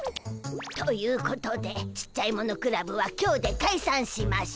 ということでちっちゃいものクラブは今日でかいさんしましゅ！